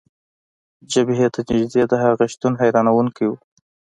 جبهې ته نژدې د هغه شتون، حیرانونکی و.